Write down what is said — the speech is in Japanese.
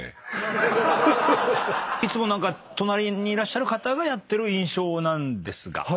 いつも隣にいらっしゃる方がやってる印象なんですが。